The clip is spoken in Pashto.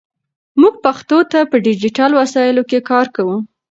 موږ پښتو ته په ډیجیټل وسایلو کې کار کوو.